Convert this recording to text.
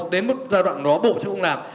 đến một giai đoạn đó bộ sẽ không làm